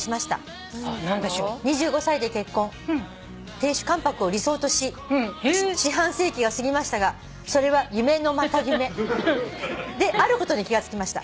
亭主関白を理想とし四半世紀が過ぎましたがそれは夢のまた夢であることに気が付きました」